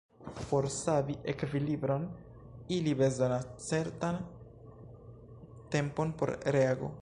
Por savi ekvilibron ili bezonas certan tempon por reago.